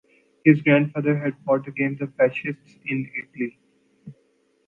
His grandfather had fought against the fascists in Italy.